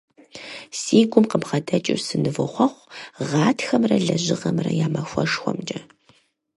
Си гум къыбгъэдэкӏыу сынывохъуэхъу Гъатхэмрэ Лэжьыгъэмрэ я махуэшхуэмкӏэ!